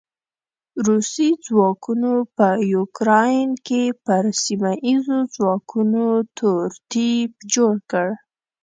روسي ځواکونو په يوکراين کې پر سیمه ايزو ځواکونو تور تيپ جوړ کړ.